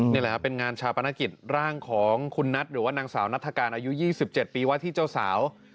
นี่แหละครับเป็นงานชาปนกิจร่างของคุณนัทหรือว่านางสาวนัฐกาลอายุ๒๗ปีว่าที่เจ้าสาว